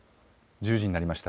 １０時になりました。